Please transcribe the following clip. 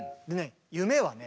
「夢」はね